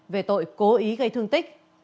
về tội cố ý gây thương tích